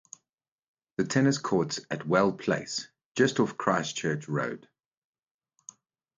The Tennis Courts at Well Place, just off Christ Church Road.